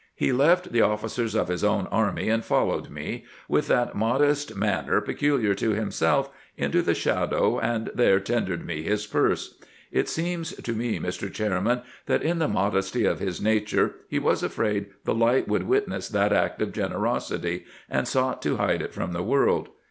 He left the officers of his own army and followed me, with that modest manner peculiar to himself, into the shadow, and there tendered me his purse. It seems to me, Mr. Chair man, that in the modesty of his nature he was afraid the light would witness that act of generosity, and sought to hide it from the world.